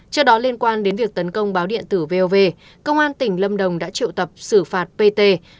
trước đó liên quan đến việc tấn công báo điện tử vov công an tỉnh lâm đồng đã triệu tập xử phạt pt